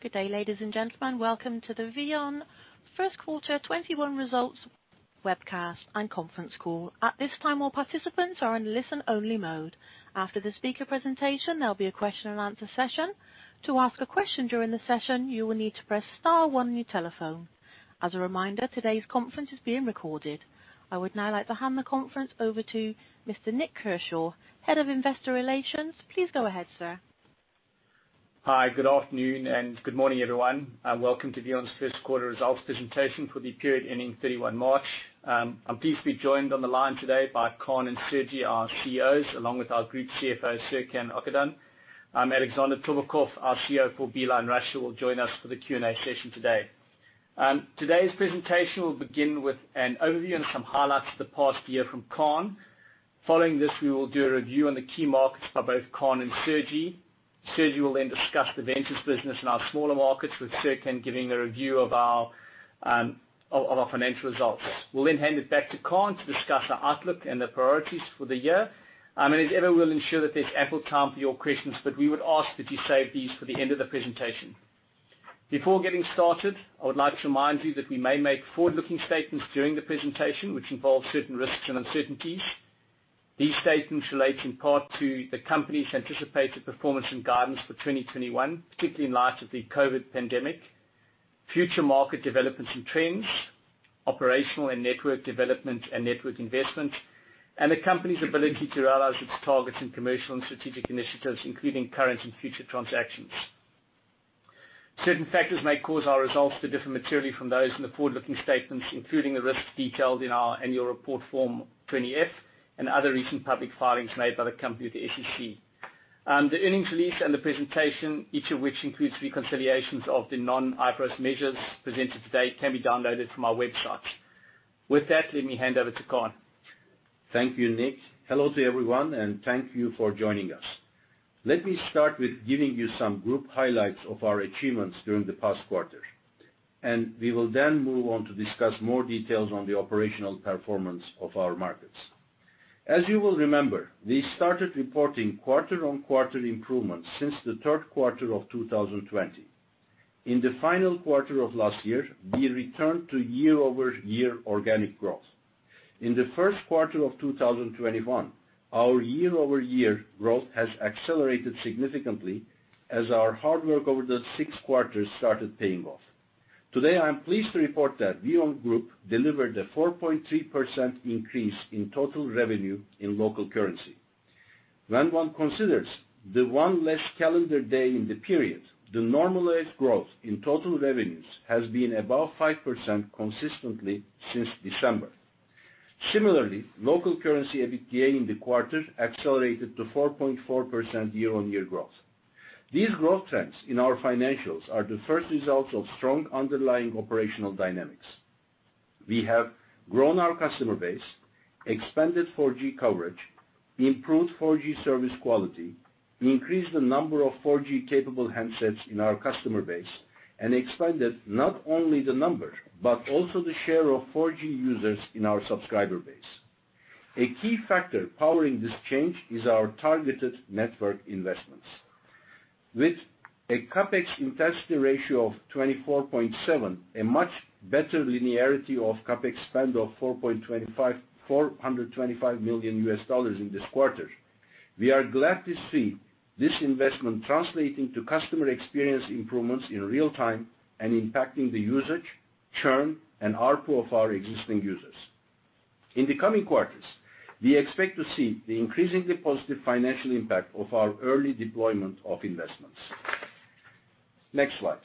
Good day, ladies and gentlemen. Welcome to the VEON first quarter 2021 results webcast and conference call. I would now like to hand the conference over to Mr. Nik Kershaw, Group Director of Investor Relations. Please go ahead, sir. Hi. Good afternoon and good morning, everyone, and welcome to VEON's first quarter results presentation for the period ending March 31st, 2021. I'm pleased to be joined on the line today by Kaan and Sergi, our CEOs, along with our group CFO, Serkan Okandan. Alexander Torbakhov, our CEO for Beeline Russia, will join us for the Q&A session today. Today's presentation will begin with an overview and some highlights of the past year from Kaan. We will do a review on the key markets by both Kaan and Sergi. Sergi will discuss the ventures business in our smaller markets, with Serkan giving a review of our financial results. We'll hand it back to Kaan to discuss our outlook and the priorities for the year. As ever, we will ensure that there is ample time for your questions, but we would ask that you save these for the end of the presentation. Before getting started, I would like to remind you that we may make forward-looking statements during the presentation, which involve certain risks and uncertainties. These statements relate in part to the company's anticipated performance and guidance for 2021, particularly in light of the COVID pandemic, future market developments and trends, operational and network development and network investments, and the company's ability to realize its targets in commercial and strategic initiatives, including current and future transactions. Certain factors may cause our results to differ materially from those in the forward-looking statements, including the risks detailed in our annual report Form 20-F and other recent public filings made by the company with the SEC. The earnings release and the presentation, each of which includes reconciliations of the non-IFRS measures presented today, can be downloaded from our website. With that, let me hand over to Kaan. Thank you, Nik hello to everyone, and thank you for joining us. Let me start with giving you some group highlights of our achievements during the past quarter. We will then move on to discuss more details on the operational performance of our markets. As you will remember, we started reporting quarter-on-quarter improvements since the third quarter of 2020. In the final quarter of last year, we returned to year-over-year organic growth. In the first quarter of 2021, our year-over-year growth has accelerated significantly as our hard work over the six quarters started paying off. Today, I am pleased to report that VEON Group delivered a 4.3% increase in total revenue in local currency. When one considers the one less calendar day in the period, the normalized growth in total revenues has been above 5% consistently since December. Similarly, local currency EBITDA in the quarter accelerated to 4.4% year-on-year growth. These growth trends in our financials are the first results of strong underlying operational dynamics. We have grown our customer base, expanded 4G coverage, improved 4G service quality, increased the number of 4G capable handsets in our customer base, and expanded not only the number, but also the share of 4G users in our subscriber base. A key factor powering this change is our targeted network investments. With a CapEx intensity ratio of 24.7%, a much better linearity of CapEx spend of $425 million in this quarter, we are glad to see this investment translating to customer experience improvements in real-time and impacting the usage, churn, and ARPU of our existing users. In the coming quarters, we expect to see the increasingly positive financial impact of our early deployment of investments. Next slide.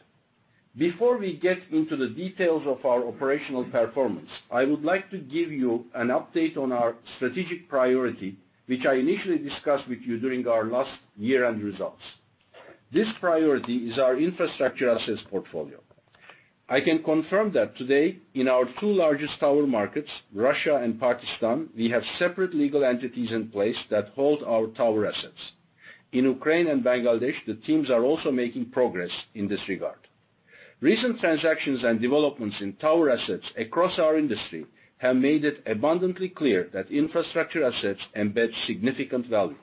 Before we get into the details of our operational performance, I would like to give you an update on our strategic priority, which I initially discussed with you during our last year-end results. This priority is our infrastructure assets portfolio. I can confirm that today in our two largest tower markets, Russia and Pakistan, we have separate legal entities in place that hold our tower assets. In Ukraine and Bangladesh, the teams are also making progress in this regard. Recent transactions and developments in tower assets across our industry have made it abundantly clear that infrastructure assets embed significant value.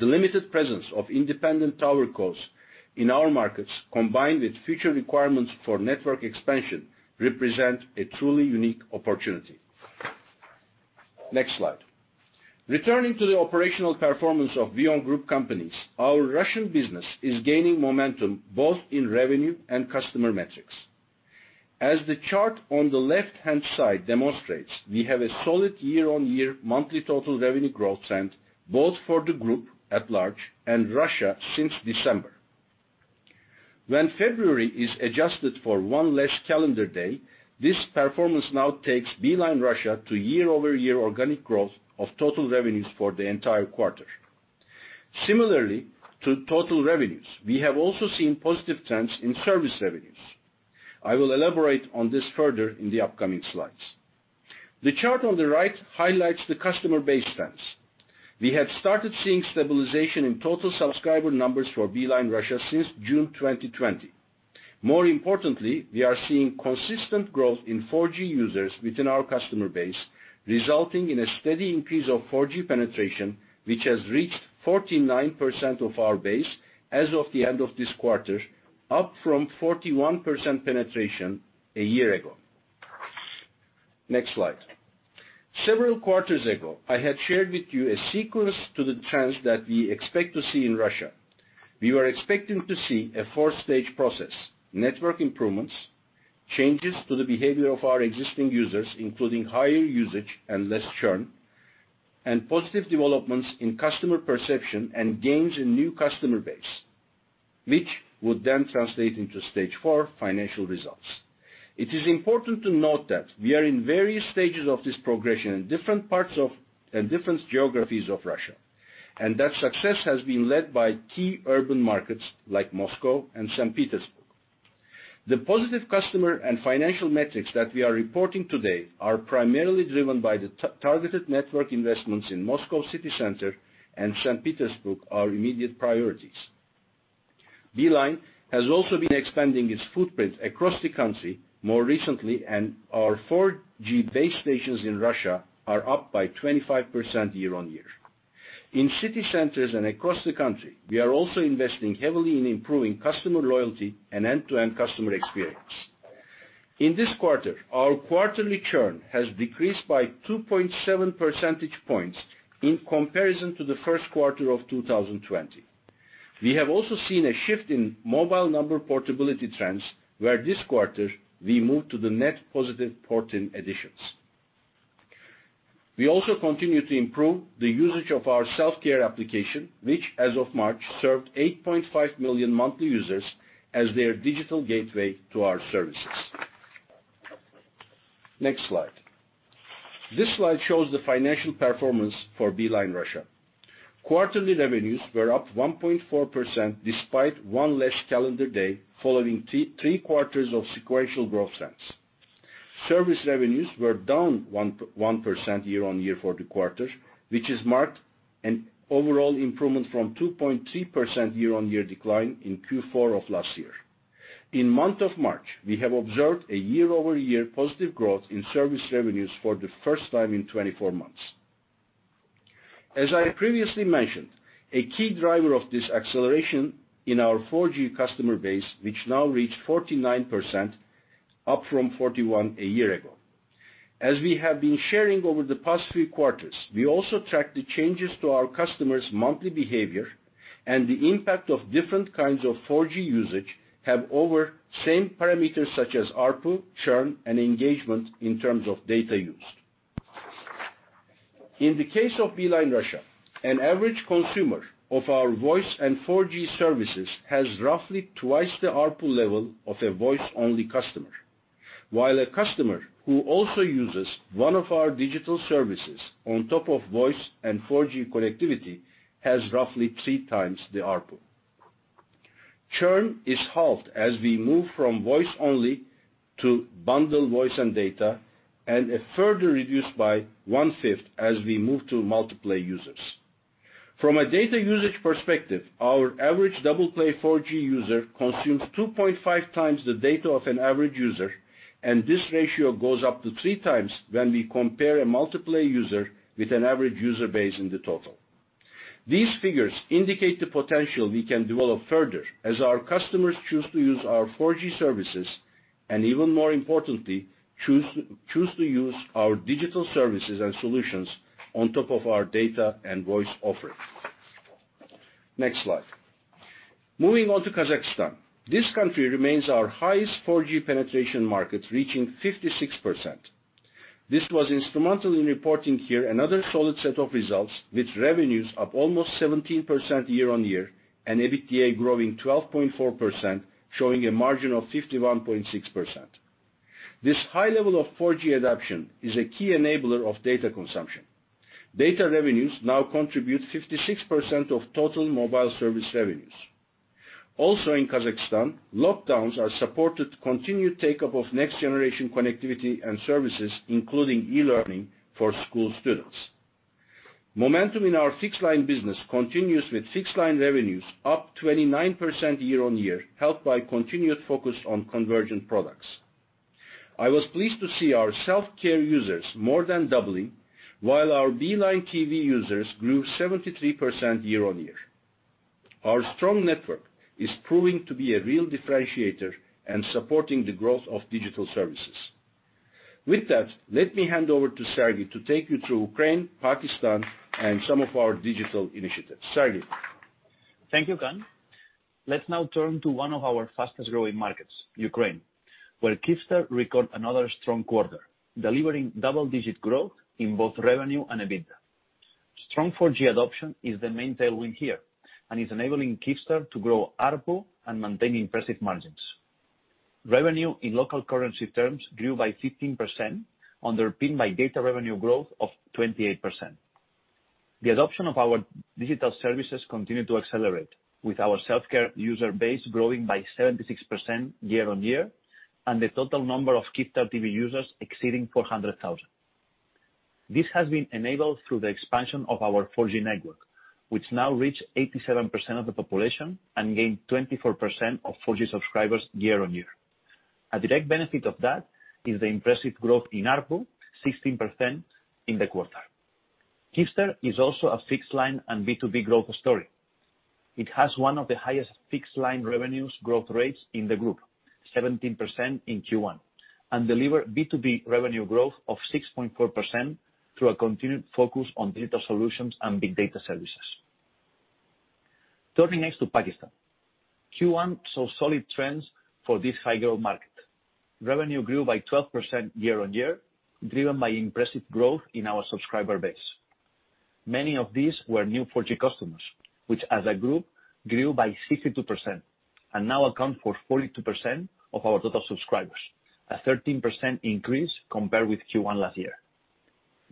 The limited presence of independent tower companies in our markets, combined with future requirements for network expansion, represent a truly unique opportunity. Next slide. Returning to the operational performance of VEON Group companies, our Russian business is gaining momentum both in revenue and customer metrics. As the chart on the left-hand side demonstrates, we have a solid year-over-year monthly total revenue growth trend, both for the group at large and Russia since December. When February is adjusted for one less calendar day, this performance now takes Beeline Russia to year-over-year organic growth of total revenues for the entire quarter. Similarly to total revenues, we have also seen positive trends in service revenues. I will elaborate on this further in the upcoming slides. The chart on the right highlights the customer base trends. We have started seeing stabilization in total subscriber numbers for Beeline Russia since June 2020. More importantly, we are seeing consistent growth in 4G users within our customer base, resulting in a steady increase of 4G penetration, which has reached 49% of our base as of the end of this quarter, up from 41% penetration 1 year ago. Next slide. Several quarters ago, I had shared with you a sequence to the trends that we expect to see in Russia. We were expecting to see a four-stage process: network improvements, changes to the behavior of our existing users, including higher usage and less churn, and positive developments in customer perception and gains in new customer base, which would then translate into stage four, financial results. It is important to note that we are in various stages of this progression in different geographies of Russia, and that success has been led by key urban markets like Moscow and St. Petersburg. The positive customer and financial metrics that we are reporting today are primarily driven by the targeted network investments in Moscow City Center and St. Petersburg, our immediate priorities. Beeline has also been expanding its footprint across the country more recently, and our 4G base stations in Russia are up by 25% year-on-year. In city centers and across the country, we are also investing heavily in improving customer loyalty and end-to-end customer experience. In this quarter, our quarterly churn has decreased by 2.7 percentage points in comparison to the first quarter of 2020. We have also seen a shift in mobile number portability trends, where this quarter, we moved to the net positive port-in additions. We also continue to improve the usage of our self-care application, which as of March, served 8.5 million monthly users as their digital gateway to our services. Next slide. This slide shows the financial performance for Beeline Russia. Quarterly revenues were up 1.4%, despite one less calendar day following three quarters of sequential growth trends. Service revenues were down 1% year-on-year for the quarter, which is marked an overall improvement from 2.3% year-on-year decline in Q4 of last year. In the month of March, we have observed a year-over-year positive growth in service revenues for the first time in 24 months. As I previously mentioned, a key driver of this acceleration in our 4G customer base, which now reached 49%, up from 41% a year ago. As we have been sharing over the past few quarters, we also tracked the changes to our customers' monthly behavior and the impact of different kinds of 4G usage have over the same parameters such as ARPU, churn, and engagement in terms of data used. In the case of Beeline Russia, an average consumer of our voice and 4G services has roughly 2x the ARPU level of a voice-only customer. While a customer who also uses one of our digital services on top of voice and 4G connectivity has roughly 3x the ARPU. Churn is halved as we move from voice-only to bundle voice and data, and is further reduced by 1/5 as we move to multiple users. From a data usage perspective, our average double-play 4G user consumes 2.5x the data of an average user, and this ratio goes up to 3x when we compare a multiple user with an average user base in the total. These figures indicate the potential we can develop further as our customers choose to use our 4G services, and even more importantly, choose to use our digital services and solutions on top of our data and voice offerings. Next slide. Moving on to Kazakhstan. This country remains our highest 4G penetration market, reaching 56%. This was instrumental in reporting here another solid set of results with revenues up almost 17% year-on-year and EBITDA growing 12.4%, showing a margin of 51.6%. This high level of 4G adoption is a key enabler of data consumption. Data revenues now contribute 56% of total mobile service revenues. In Kazakhstan, lockdowns are supported continued take-up of next-generation connectivity and services, including e-learning for school students. Momentum in our fixed-line business continues with fixed-line revenues up 29% year-on-year, helped by continued focus on convergent products. I was pleased to see our self-care users more than doubling while our Beeline TV users grew 73% year-on-year. Our strong network is proving to be a real differentiator and supporting the growth of digital services. With that, let me hand over to Sergi to take you through Ukraine, Pakistan, and some of our digital initiatives. Sergi. Thank you, Kaan. Let's now turn to one of our fastest-growing markets, Ukraine, where lifecell record another strong quarter, delivering double-digit growth in both revenue and EBITDA. Strong 4G adoption is the main tailwind here and is enabling lifecell to grow ARPU and maintain impressive margins. Revenue in local currency terms grew by 15%, underpinned by data revenue growth of 28%. The adoption of our digital services continued to accelerate, with our self-care user base growing by 76% year-on-year, and the total number of lifecell TV users exceeding 400,000. This has been enabled through the expansion of our 4G network, which now reach 87% of the population and gained 24% of 4G subscribers year-on-year. A direct benefit of that is the impressive growth in ARPU, 16% in the quarter. Nik Kershaw is also a fixed-line and B2B growth story. It has one of the highest fixed-line revenues growth rates in the group, 17% in Q1. Deliver B2B revenue growth of 6.4% through a continued focus on data solutions and big data services. Turning next to Pakistan. Q1 saw solid trends for this high-growth market. Revenue grew by 12% year-on-year, driven by impressive growth in our subscriber base. Many of these were new 4G customers, which as a group, grew by 62% and now account for 42% of our total subscribers, a 13% increase compared with Q1 last year.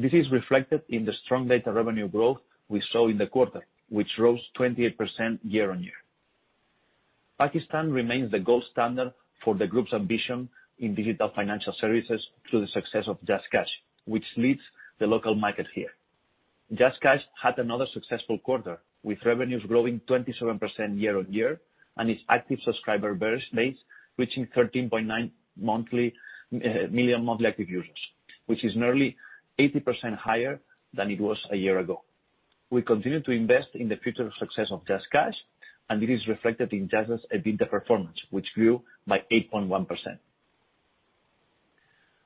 This is reflected in the strong data revenue growth we saw in the quarter, which rose 28% year-on-year. Pakistan remains the gold standard for the group's ambition in digital financial services through the success of JazzCash, which leads the local market here. JazzCash had another successful quarter, with revenues growing 27% year-over-year, and its active subscriber base reaching 13.9 million monthly active users, which is nearly 80% higher than it was a year ago. We continue to invest in the future success of JazzCash, it is reflected in JazzCash's EBITDA performance, which grew by 8.1%.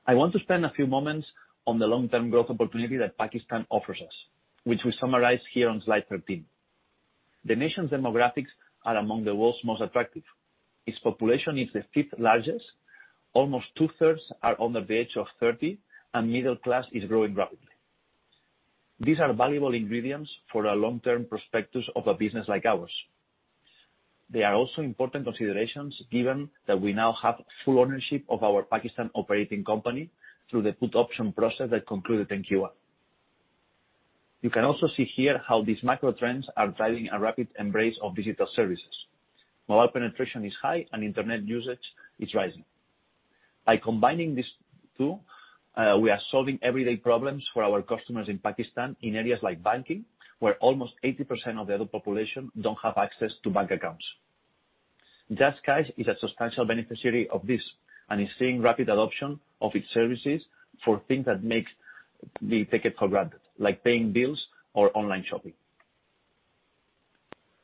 I want to spend a few moments on the long-term growth opportunity that Pakistan offers us, which we summarize here on slide 13. The nation's demographics are among the world's most attractive. Its population is the 5th largest. Almost 2/3 are under the age of 30, and middle class is growing rapidly. These are valuable ingredients for a long-term prospectus of a business like ours. They are also important considerations given that we now have full ownership of our Pakistan operating company through the put option process that concluded in Q1. You can also see here how these macro trends are driving a rapid embrace of digital services. mobile penetration is high and internet usage is rising. By combining these two, we are solving everyday problems for our customers in Pakistan in areas like banking, where almost 80% of the adult population don't have access to bank accounts. JazzCash is a substantial beneficiary of this and is seeing rapid adoption of its services for things that makes we take it for granted, like paying bills or online shopping.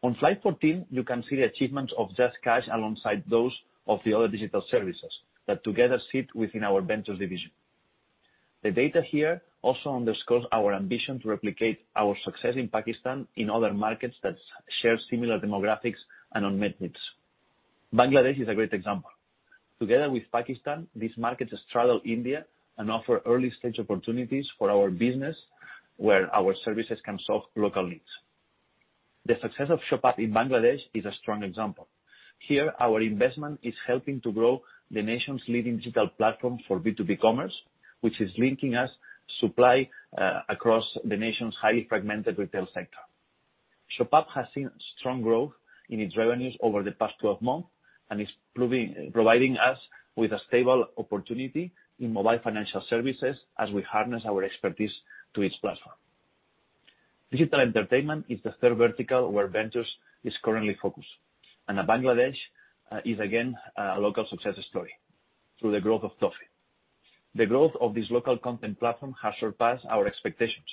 On slide 14, you can see the achievements of JazzCash alongside those of the other digital services that together sit within our ventures division. The data here also underscores our ambition to replicate our success in Pakistan in other markets that share similar demographics and unmet needs. Bangladesh is a great example. Together with Pakistan, these markets straddle India and offer early-stage opportunities for our business where our services can solve local needs. The success of ShopUp in Bangladesh is a strong example. Here, our investment is helping to grow the nation's leading digital platform for B2B commerce, which is linking us supply across the nation's highly fragmented retail sector. ShopUp has seen strong growth in its revenues over the past 12 months, and is providing us with a stable opportunity in mobile financial services as we harness our expertise to its platform. Digital entertainment is the third vertical where ventures is currently focused, and Bangladesh is again a local success story through the growth of Toffee. The growth of this local content platform has surpassed our expectations.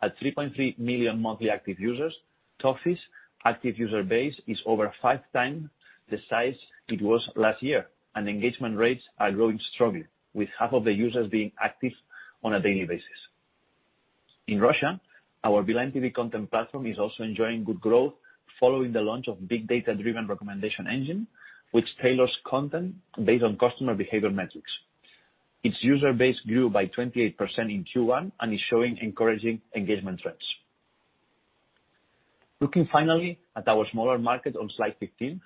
At 3.3 million monthly active users, Toffee's active user base is over five times the size it was last year, and engagement rates are growing strongly, with half of the users being active on a daily basis. In Russia, our Beeline TV content platform is also enjoying good growth following the launch of big data-driven recommendation engine, which tailors content based on customer behavior metrics. Its user base grew by 28% in Q1 and is showing encouraging engagement trends. Looking finally at our smaller market on slide 15,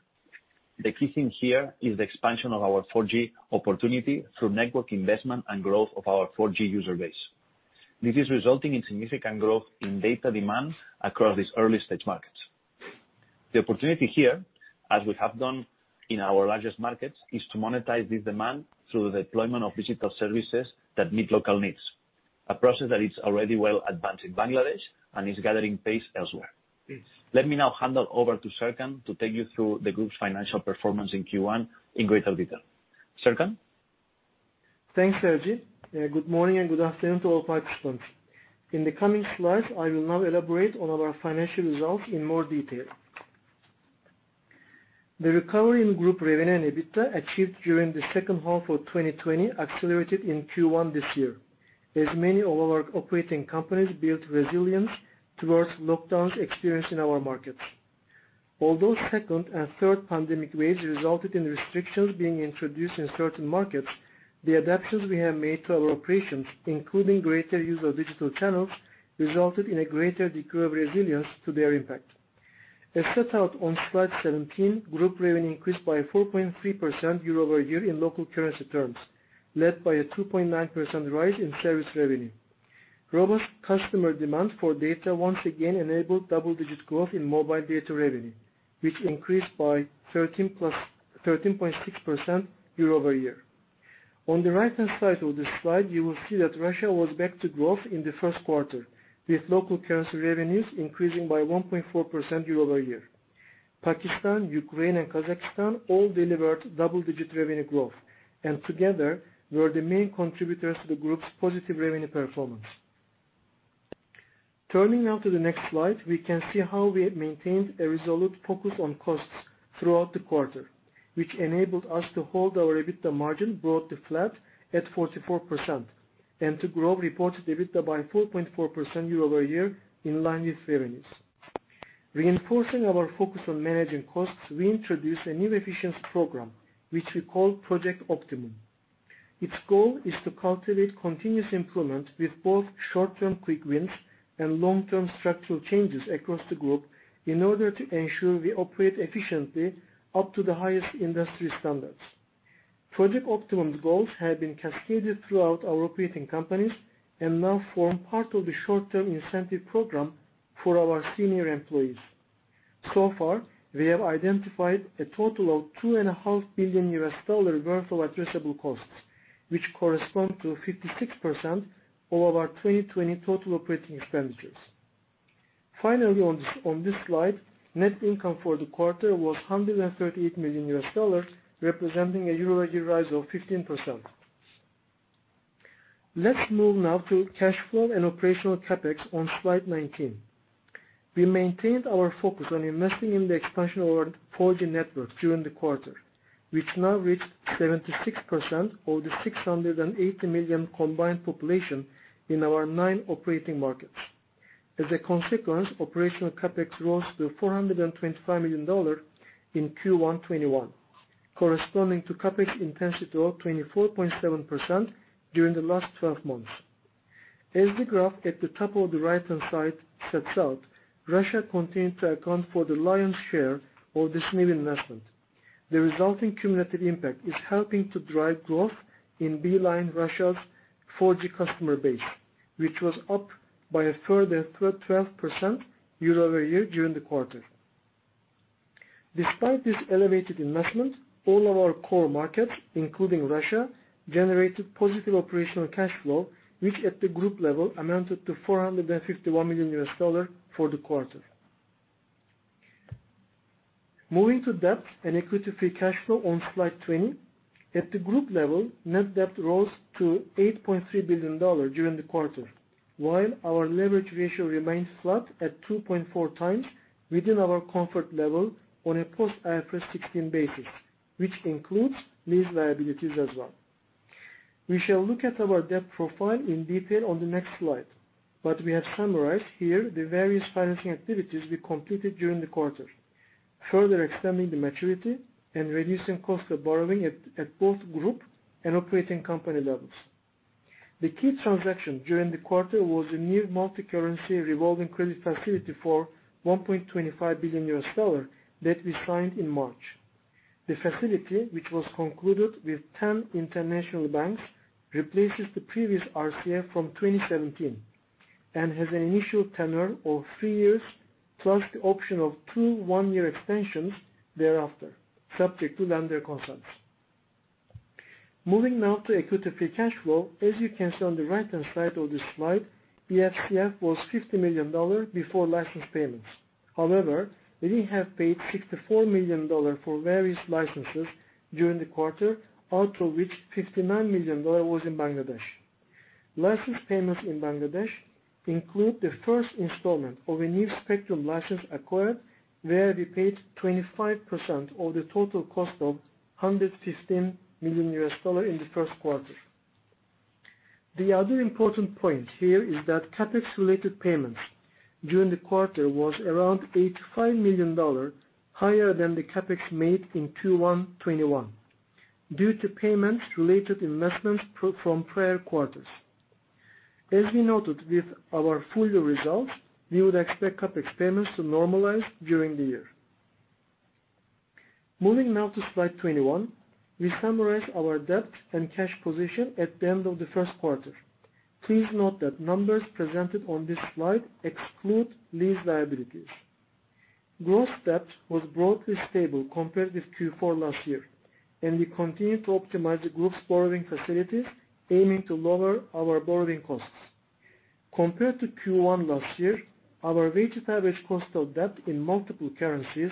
the key thing here is the expansion of our 4G opportunity through network investment and growth of our 4G user base. This is resulting in significant growth in data demand across these early-stage markets. The opportunity here, as we have done in our largest markets, is to monetize this demand through the deployment of digital services that meet local needs, a process that is already well advanced in Bangladesh and is gathering pace elsewhere. Let me now hand it over to Serkan to take you through the group's financial performance in Q1 in greater detail. Serkan? Thanks, Sergi. Good morning and good afternoon to all participants. In the coming slides, I will now elaborate on our financial results in more detail. The recovery in group revenue and EBITDA achieved during the second half of 2020 accelerated in Q1 this year, as many of our operating companies built resilience towards lockdowns experienced in our markets. Although second and third pandemic waves resulted in restrictions being introduced in certain markets, the adaptions we have made to our operations, including greater use of digital channels, resulted in a greater degree of resilience to their impact. As set out on slide 17, group revenue increased by 4.3% year-over-year in local currency terms, led by a 2.9% rise in service revenue. Robust customer demand for data once again enabled double-digit growth in mobile data revenue, which increased by 13.6% year-over-year. On the right-hand side of this slide, you will see that Russia was back to growth in the first quarter, with local currency revenues increasing by 1.4% year-over-year. Pakistan, Ukraine, and Kazakhstan all delivered double-digit revenue growth and together were the main contributors to the group's positive revenue performance. Turning now to the next slide, we can see how we have maintained a resolute focus on costs throughout the quarter, which enabled us to hold our EBITDA margin broadly flat at 44% and to grow reported EBITDA by 4.4% year-over-year, in line with revenues. Reinforcing our focus on managing costs, we introduced a new efficiency program, which we call Project Optimum. Its goal is to cultivate continuous improvement with both short-term quick wins and long-term structural changes across the group in order to ensure we operate efficiently up to the highest industry standards. Project Optimum's goals have been cascaded throughout our operating companies and now form part of the short-term incentive program for our senior employees. We have identified a total of $2.5 billion worth of addressable costs, which correspond to 56% of our 2020 total operating expenditures. On this slide, net income for the quarter was $138 million, representing a year-over-year rise of 15%. Let's move now to cash flow and operational CapEx on slide 19. We maintained our focus on investing in the expansion of our 4G networks during the quarter, which now reached 76% of the 680 million combined population in our nine operating markets. As a consequence, operational CapEx rose to $425 million in Q1 2021, corresponding to CapEx intensity of 24.7% during the last 12 months. As the graph at the top of the right-hand side sets out, Russia continued to account for the lion's share of this new investment. The resulting cumulative impact is helping to drive growth in Beeline Russia's 4G customer base, which was up by a further 12% year-over-year during the quarter. Despite this elevated investment, all of our core markets, including Russia, generated positive operational cash flow, which at the group level amounted to $451 million for the quarter. Moving to debt and equity free cash flow on slide 20. At the group level, net debt rose to $8.3 billion during the quarter, while our leverage ratio remained flat at 2.4x within our comfort level on a post IFRS 16 basis, which includes lease liabilities as well. We shall look at our debt profile in detail on the next slide, but we have summarized here the various financing activities we completed during the quarter, further extending the maturity and reducing cost of borrowing at both group and operating company levels. The key transaction during the quarter was a new multicurrency revolving credit facility for $1.25 billion that we signed in March. The facility, which was concluded with 10 international banks, replaces the previous RCF from 2017 and has an initial tenure of three years plus the option of two 1-year extensions thereafter, subject to lender consents. Moving now to equity free cash flow. As you can see on the right-hand side of this slide, EFCF was $50 million before license payments. However, we have paid $64 million for various licenses during the quarter, out of which $59 million was in Bangladesh. License payments in Bangladesh include the first installment of a new spectrum license acquired, where we paid 25% of the total cost of $115 million in the first quarter. The other important point here is that CapEx related payments during the quarter was around $85 million higher than the CapEx made in Q1 2021 due to payments related investments from prior quarters. As we noted with our full year results, we would expect CapEx payments to normalize during the year. Moving now to slide 21. We summarize our debt and cash position at the end of the first quarter. Please note that numbers presented on this slide exclude lease liabilities. Gross debt was broadly stable compared with Q4 last year. We continue to optimize the group's borrowing facilities, aiming to lower our borrowing costs. Compared to Q1 last year, our weighted average cost of debt in multiple currencies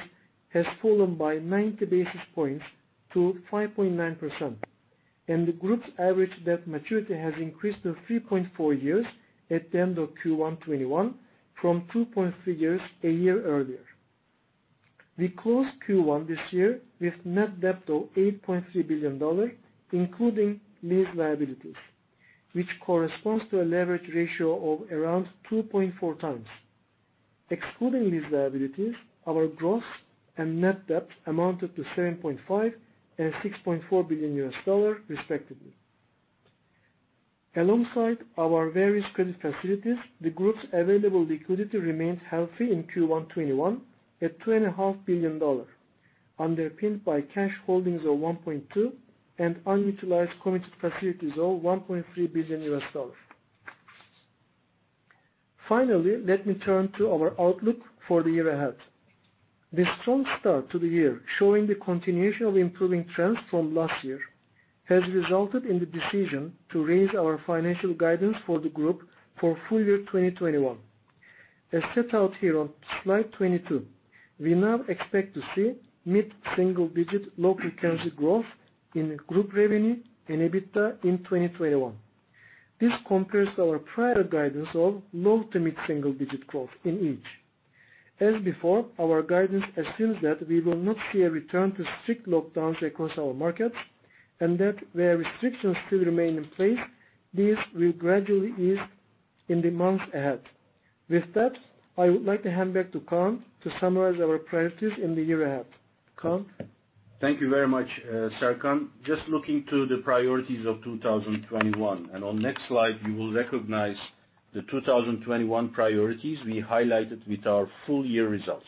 has fallen by 90 basis points to 5.9%, and the group's average debt maturity has increased to 3.4 years at the end of Q1 2021 from 2.3 years a year earlier. We closed Q1 this year with net debt of $8.3 billion, including lease liabilities, which corresponds to a leverage ratio of around 2.4x. Excluding lease liabilities, our gross and net debt amounted to $7.5 billion and $6.4 billion respectively. Alongside our various credit facilities, the group's available liquidity remained healthy in Q1 2021 at $2.5 billion, underpinned by cash holdings of $1.2 billion and unutilized committed facilities of $1.3 billion. Finally, let me turn to our outlook for the year ahead. The strong start to the year showing the continuation of improving trends from last year has resulted in the decision to raise our financial guidance for the group for full year 2021. As set out here on slide 22, we now expect to see mid-single digit local currency growth in group revenue and EBITDA in 2021. This compares to our prior guidance of low to mid-single digit growth in each. As before, our guidance assumes that we will not see a return to strict lockdowns across our markets, and that where restrictions still remain in place, these will gradually ease in the months ahead. With that, I would like to hand back to Kaan to summarize our priorities in the year ahead. Kaan? Thank you very much, Serkan. Just looking to the priorities of 2021, on next slide, you will recognize the 2021 priorities we highlighted with our full year results.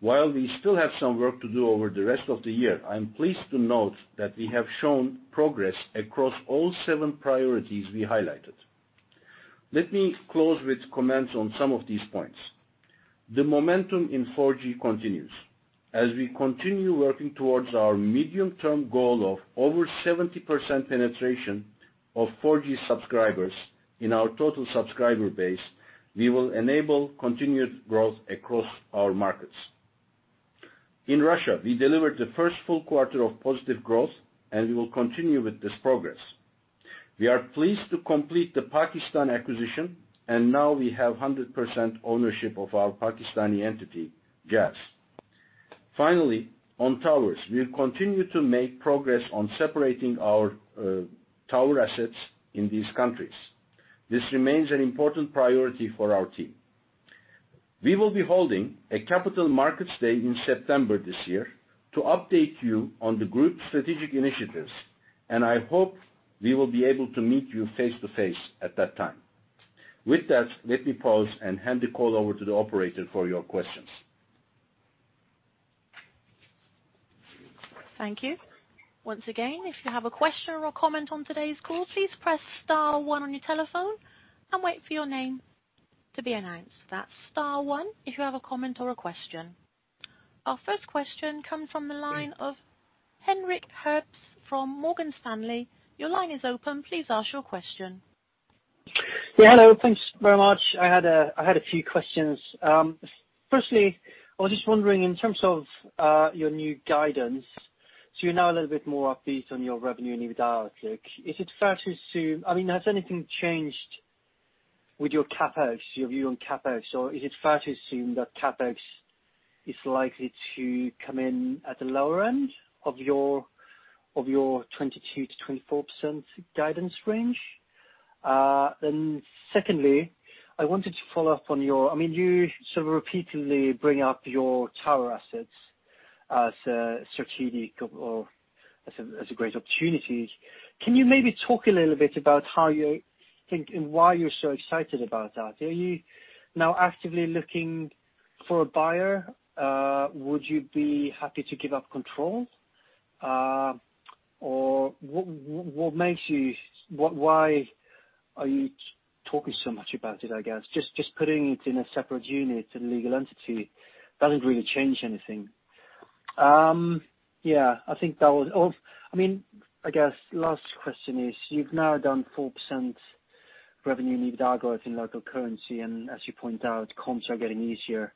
While we still have some work to do over the rest of the year, I am pleased to note that we have shown progress across all seven priorities we highlighted. Let me close with comments on some of these points. The momentum in 4G continues. As we continue working towards our medium-term goal of over 70% penetration of 4G subscribers in our total subscriber base, we will enable continued growth across our markets. In Russia, we delivered the first full quarter of positive growth, we will continue with this progress. We are pleased to complete the Pakistan acquisition, now we have 100% ownership of our Pakistani entity, Jazz. Finally, on towers, we'll continue to make progress on separating our tower assets in these countries. This remains an important priority for our team. We will be holding a Capital Markets Day in September this year to update you on the group strategic initiatives, and I hope we will be able to meet you face-to-face at that time. With that, let me pause and hand the call over to the operator for your questions. Thank you. Once again, if you have a question or comment on today's call, please press star one on your telephone and wait for your name to be announced. That's star one if you have a comment or a question. Our first question comes from the line of Henrik Herbst from Morgan Stanley. Your line is open. Please ask your question. Hello. Thanks very much. I had a few questions. Firstly, I was just wondering in terms of your new guidance, so you are now a little bit more upbeat on your revenue and EBITDA outlook. Has anything changed with your CapEx, your view on CapEx, or is it fair to assume that CapEx is likely to come in at the lower end of your 22%-24% guidance range? Secondly, I wanted to follow up on You sort of repeatedly bring up your tower assets as a strategic or as a great opportunity. Can you maybe talk a little bit about how you think and why you are so excited about that? Are you now actively looking for a buyer? Would you be happy to give up control? What makes you, why are you talking so much about it, I guess? Just putting it in a separate unit and legal entity doesn't really change anything. I guess last question is, you've now done 4% revenue and EBITDA growth in local currency, and as you point out, comps are getting easier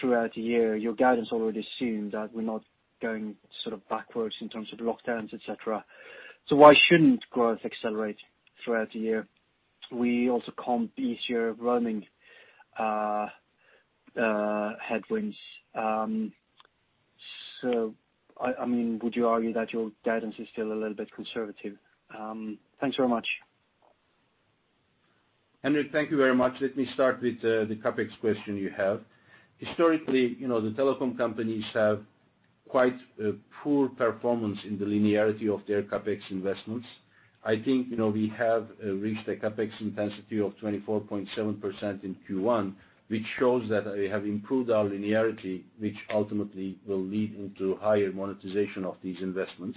throughout the year. Your guidance already assumed that we're not going sort of backwards in terms of lockdowns, et cetera. Why shouldn't growth accelerate throughout the year? We also comp easier roaming headwinds. Would you argue that your guidance is still a little bit conservative? Thanks very much. Henrik, thank you very much. Let me start with the CapEx question you have. Historically, the telecom companies have quite a poor performance in the linearity of their CapEx investments. I think we have reached a CapEx intensity of 24.7% in Q1, which shows that we have improved our linearity, which ultimately will lead into higher monetization of these investments.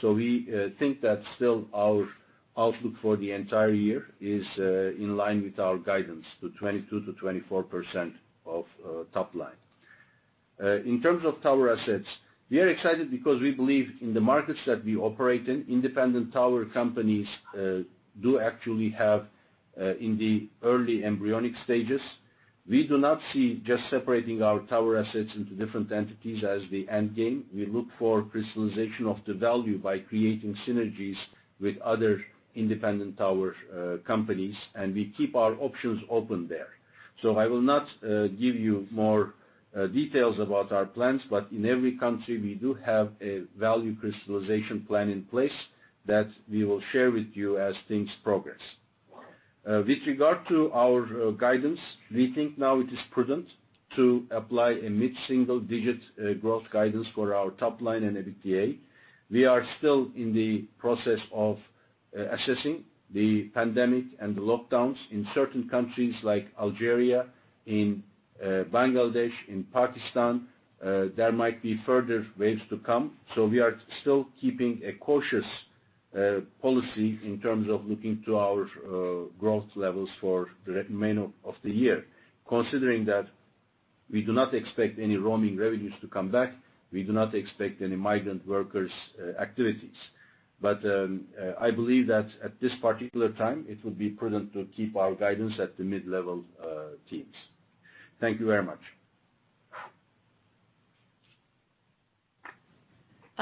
We think that still our outlook for the entire year is in line with our guidance to 22%-24% of top line. In terms of tower assets, we are excited because we believe in the markets that we operate in, independent tower companies do actually have in the early embryonic stages. We do not see just separating our tower assets into different entities as the end game. We look for crystallization of the value by creating synergies with other independent tower companies, and we keep our options open there. I will not give you more details about our plans, but in every country, we do have a value crystallization plan in place that we will share with you as things progress. With regard to our guidance, we think now it is prudent to apply a mid-single digit growth guidance for our top line and EBITDA. We are still in the process of assessing the pandemic and the lockdowns in certain countries like Algeria, in Bangladesh, in Pakistan. There might be further waves to come. We are still keeping a cautious policy in terms of looking to our growth levels for the remainder of the year. Considering that we do not expect any roaming revenues to come back, we do not expect any migrant workers activities. I believe that at this particular time, it would be prudent to keep our guidance at the mid-level tiers. Thank you very much.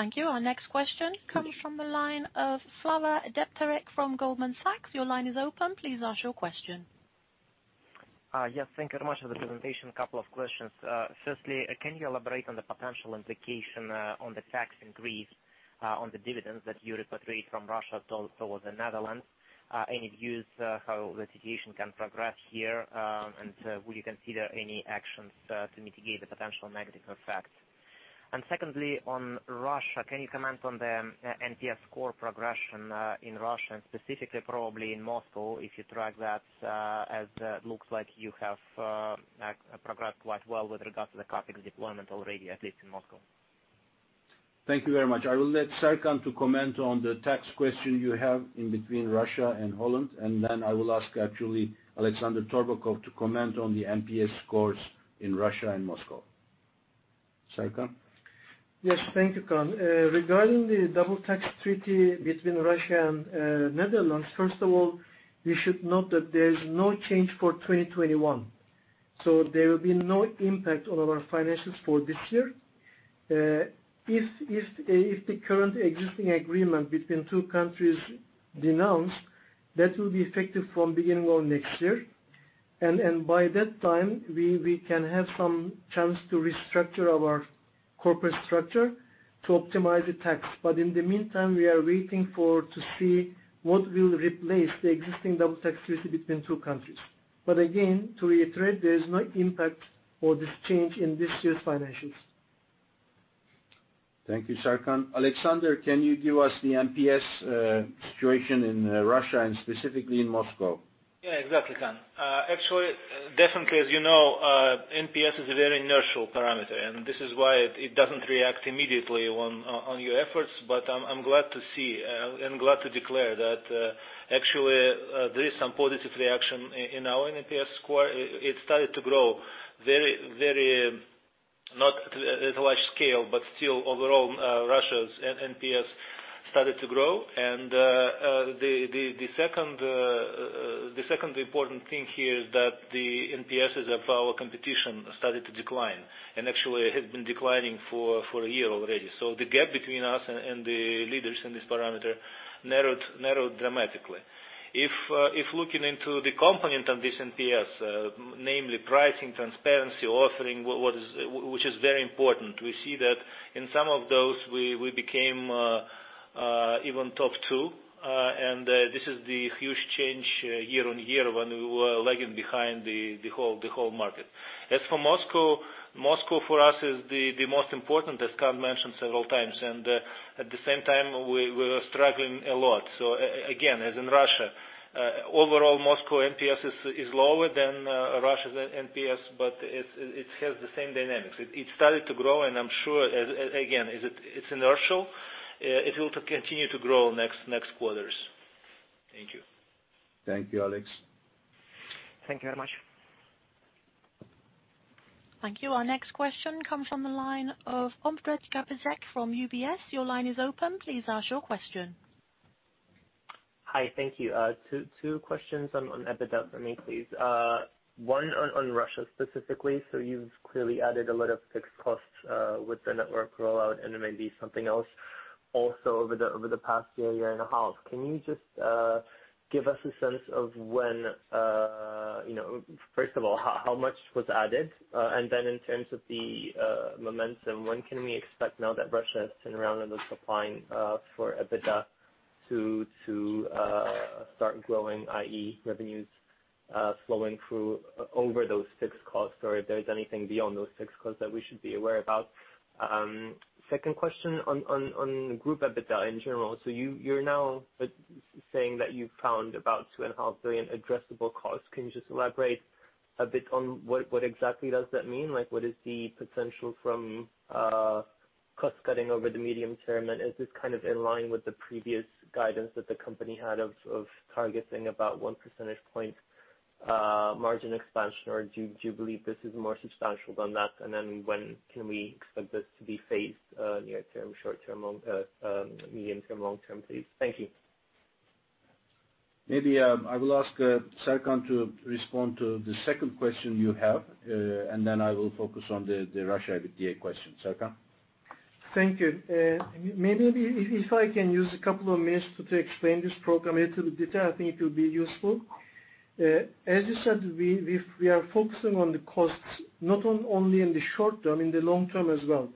Thank you. Our next question comes from the line of Slava Degtyarev from Goldman Sachs. Your line is open. Please ask your question. Yes, thank you very much for the presentation. Couple of questions. Can you elaborate on the potential implication on the tax in Greece, on the dividends that you repatriate from Russia towards the Netherlands? Any views how the situation can progress here? Will you consider any actions to mitigate the potential negative effects? On Russia, can you comment on the NPS score progression in Russia, and specifically probably in Moscow, if you track that, as it looks like you have progressed quite well with regard to the CapEx deployment already, at least in Moscow. Thank you very much. I will let Serkan to comment on the tax question you have in between Russia and Holland, and then I will ask actually Alexander Torbakhov to comment on the NPS scores in Russia and Moscow. Serkan? Yes, thank you, Kaan. Regarding the Double Tax Treaty between Russia and Netherlands, first of all, you should note that there is no change for 2021. There will be no impact on our financials for this year. If the current existing agreement between two countries denounced, that will be effective from beginning of next year, and by that time, we can have some chance to restructure our corporate structure to optimize the tax. In the meantime, we are waiting for to see what will replace the existing Double Tax Treaty between two countries. Again, to reiterate, there is no impact for this change in this year's financials. Thank you, Serkan. Alexander, can you give us the NPS situation in Russia and specifically in Moscow? Yeah, exactly, Kaan. Actually, definitely, as you know, NPS is a very inertial parameter, and this is why it doesn't react immediately on your efforts. I'm glad to see, and glad to declare that actually there is some positive reaction in our NPS score. It started to grow very, not at a large scale, but still overall Russia's NPS started to grow. The second important thing here is that the NPSs of our competition started to decline, and actually it has been declining for a year already. The gap between us and the leaders in this parameter narrowed dramatically. If looking into the component of this NPS, namely pricing transparency, offering, which is very important, we see that in some of those we became even top 2, and this is the huge change year-on-year when we were lagging behind the whole market. As for Moscow for us is the most important, as Kaan mentioned several times, and at the same time, we were struggling a lot. Again, as in Russia, overall Moscow NPS is lower than Russia's NPS, but it has the same dynamics. It started to grow and I'm sure, again, it's inertial. It will continue to grow next quarters. Thank you. Thank you, Alex. Thank you very much. Thank you. Our next question comes from the line of Ondrej Cabejsek from UBS. Your line is open. Please ask your question. Hi, thank you. Two questions on EBITDA for me, please. One on Russia specifically. You've clearly added a lot of fixed costs with the network rollout and maybe something else also over the past year and a half. Can you just give us a sense of when, first of all, how much was added? In terms of the momentum, when can we expect now that Russia has turned around and is supplying for EBITDA to start growing, i.e., revenues flowing through over those fixed costs or if there's anything beyond those fixed costs that we should be aware about? Second question on group EBITDA in general. You're now saying that you found about $2.5 billion addressable cost. Can you just elaborate a bit on what exactly does that mean? What is the potential from cost cutting over the medium term? Is this kind of in line with the previous guidance that the company had of targeting about one percentage point margin expansion, or do you believe this is more substantial than that? When can we expect this to be phased near term, short term, medium term, long term, please? Thank you. Maybe I will ask Serkan to respond to the second question you have, and then I will focus on the Russia EBITDA question. Serkan? Thank you. Maybe if I can use a couple of minutes to explain this program in detail, I think it will be useful. As you said, we are focusing on the costs not only in the short term, in the long term as well.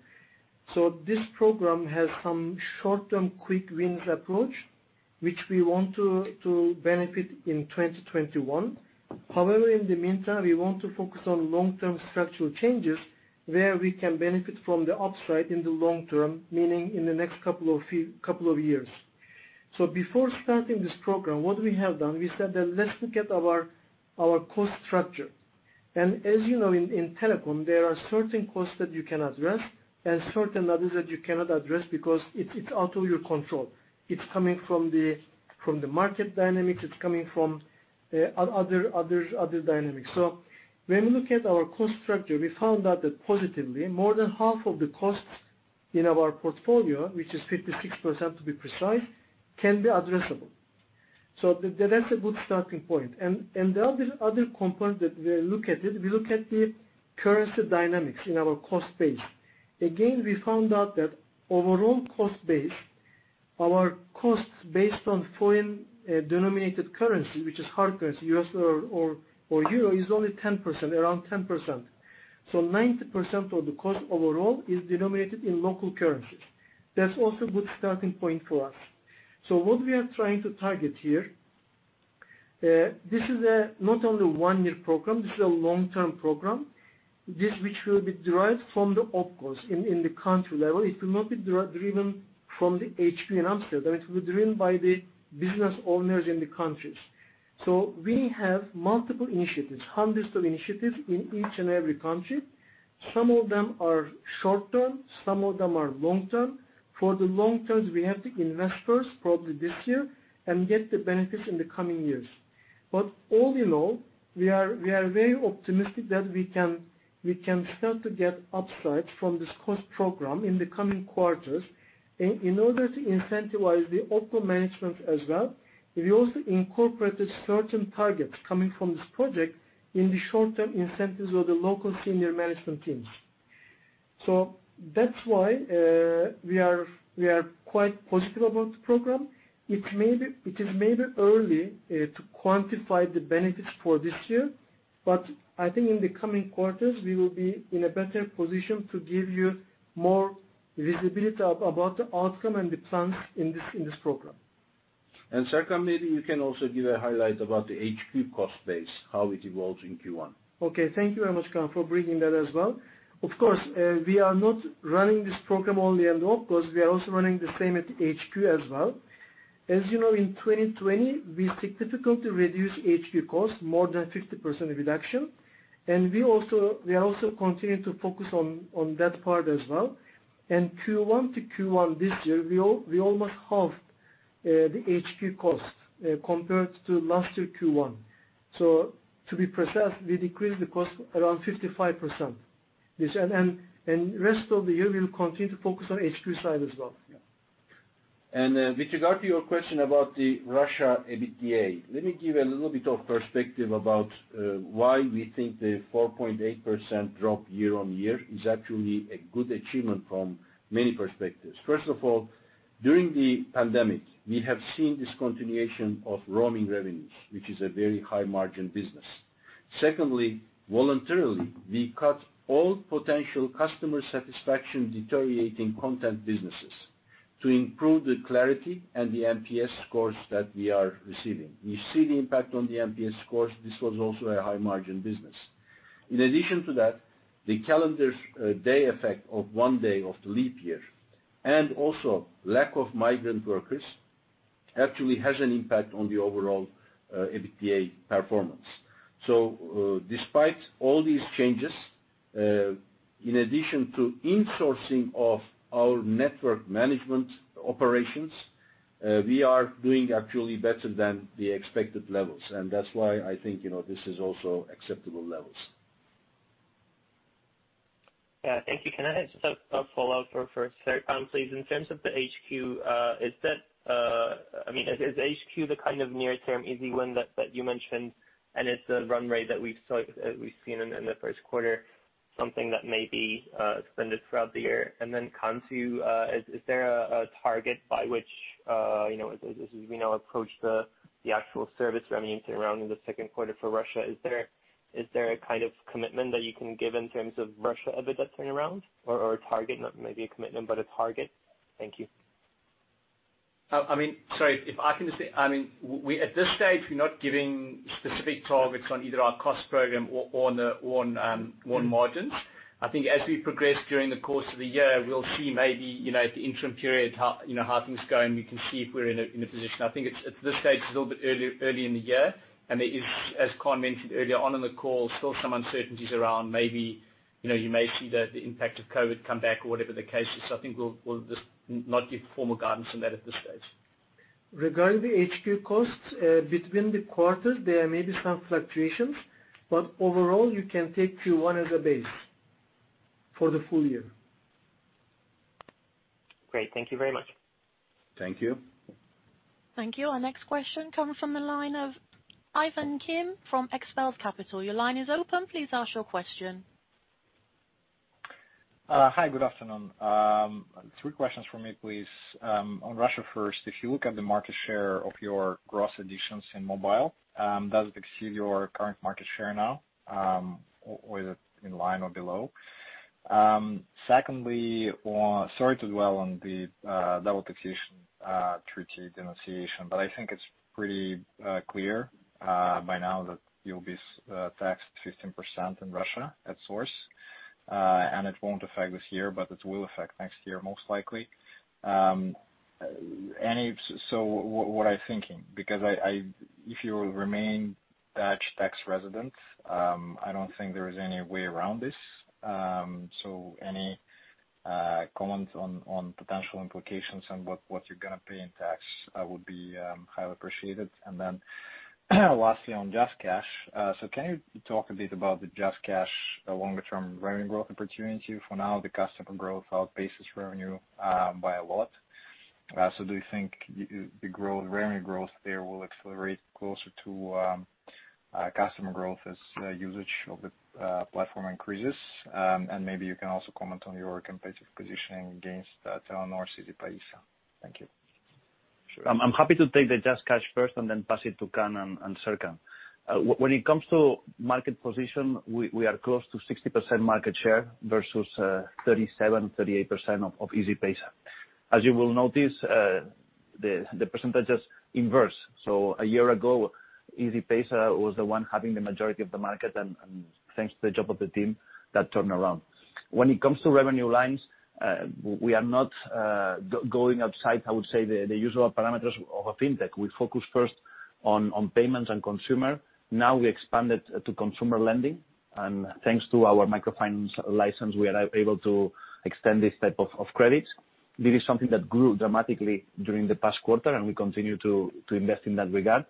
This program has some short-term quick wins approach, which we want to benefit in 2021. However, in the meantime, we want to focus on long-term structural changes where we can benefit from the upside in the long term, meaning in the next couple of years. Before starting this program, what we have done, we said that let's look at our cost structure. As you know, in telecom, there are certain costs that you can address and certain others that you cannot address because it's out of your control. It's coming from the market dynamics. It's coming from other dynamics. When we look at our cost structure, we found out that positively, more than half of the costs in our portfolio, which is 56% to be precise, can be addressable. The other component that we look at it, we look at the currency dynamics in our cost base. Again, we found out that overall cost base, our costs based on foreign denominated currency, which is hard currency, U.S. or euro, is only 10%, around 10%. 90% of the cost overall is denominated in local currencies. That's also a good starting point for us. What we are trying to target here, this is not only a one-year program, this is a long-term program, which will be derived from the OpCos in the country level. It will not be driven from the HQ in Amsterdam. It will be driven by the business owners in the countries. We have multiple initiatives, hundreds of initiatives in each and every country. Some of them are short-term, some of them are long-term. For the long-term, we have to invest first, probably this year, and get the benefits in the coming years. All in all, we are very optimistic that we can start to get upsides from this cost program in the coming quarters. In order to incentivize the OpCo management as well, we also incorporated certain targets coming from this project in the short-term incentives of the local senior management teams. That's why we are quite positive about the program. It is maybe early to quantify the benefits for this year, but I think in the coming quarters, we will be in a better position to give you more visibility about the outcome and the plans in this program. Serkan, maybe you can also give a highlight about the HQ cost base, how it evolves in Q1. Okay, thank you very much, Kaan, for bringing that as well. Of course, we are not running this program only alone because we are also running the same at HQ as well. As you know, in 2020, we significantly reduced HQ costs, more than 50% reduction. We are also continuing to focus on that part as well. Q1 to Q1 this year, we almost halved the HQ cost compared to last year Q1. To be precise, we decreased the cost around 55%. Rest of the year, we will continue to focus on HQ side as well. Yeah. With regard to your question about the Russia EBITDA, let me give a little bit of perspective about why we think the 4.8% drop year-on-year is actually a good achievement from many perspectives. First of all, during the pandemic, we have seen discontinuation of roaming revenues, which is a very high margin business. Secondly, voluntarily, we cut all potential customer satisfaction deteriorating content businesses to improve the clarity and the NPS scores that we are receiving. We see the impact on the NPS scores. This was also a high margin business. In addition to that, the calendar day effect of one day of the leap year, also lack of migrant workers actually has an impact on the overall EBITDA performance. Despite all these changes, in addition to insourcing of our network management operations, we are doing actually better than the expected levels, and that's why I think this is also acceptable levels. Yeah, thank you. Can I just have a follow-up for Serkan, please? In terms of the HQ, is HQ the kind of near term easy win that you mentioned, and is the run rate that we've seen in the first quarter something that may be extended throughout the year? Then Kaan, to you, is there a target by which, as we now approach the actual service revenues turnaround in the second quarter for Russia, is there a kind of commitment that you can give in terms of Russia EBITDA turnaround or a target? Not maybe a commitment, but a target. Thank you. Sorry, if I can just say, at this stage, we're not giving specific targets on either our cost program or on margins. I think as we progress during the course of the year, we'll see maybe, at the interim period, how things go, and we can see if we're in a position. I think at this stage, it's a little bit early in the year, and there is, as Kaan mentioned earlier on in the call, still some uncertainties around maybe you may see the impact of COVID come back or whatever the case is. I think we'll just not give formal guidance on that at this stage. Regarding the HQ costs, between the quarters, there may be some fluctuations, but overall, you can take Q1 as a base for the full year. Great. Thank you very much. Thank you. Thank you. Our next question comes from the line of Ivan Kim from Xtellus Capital Partners. Your line is open. Please ask your question. Hi, good afternoon. Three questions from me, please. On Russia first, if you look at the market share of your gross additions in mobile, does it exceed your current market share now? Or is it in line or below? Secondly, sorry to dwell on the Double Taxation Treaty denunciation, I think it's pretty clear by now that you'll be taxed 15% in Russia at source. It won't affect this year, but it will affect next year, most likely. What I'm thinking, because if you remain Dutch tax resident, I don't think there is any way around this. Any comments on potential implications on what you're going to pay in tax would be highly appreciated. Lastly, on JazzCash. Can you talk a bit about the JazzCash longer term revenue growth opportunity? For now, the customer growth outpaces revenue by a lot. Do you think the revenue growth there will accelerate closer to customer growth as usage of the platform increases? Maybe you can also comment on your competitive positioning against Telenor or Easypaisa. Thank you. Sure. I'm happy to take the JazzCash first and then pass it to Kaan and Serkan. When it comes to market position, we are close to 60% market share versus 37%-38% of Easypaisa. As you will notice, the percentage is inverse. A year ago, Easypaisa was the one having the majority of the market, and thanks to the job of the team, that turned around. When it comes to revenue lines, we are not going outside, I would say, the usual parameters of a fintech. We focus first on payments and consumer. Now we expanded to consumer lending, and thanks to our microfinance license, we are able to extend this type of credit. This is something that grew dramatically during the past quarter, and we continue to invest in that regard.